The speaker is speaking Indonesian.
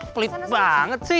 pelit banget sih